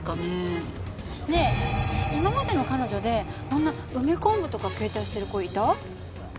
ねえ今までの彼女でこんな梅昆布とか携帯してる子いた？